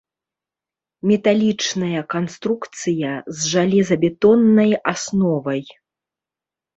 Металічная канструкцыя, з жалезабетоннай асновай.